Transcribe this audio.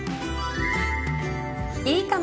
いいかも！